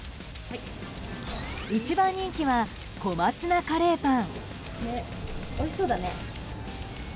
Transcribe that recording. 一番人気は小松菜カレーパン。